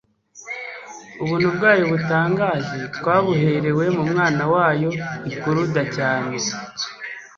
Ubuntu bwayo butangaje twabuherewe « mu Mwana wayo ikuruda cyane».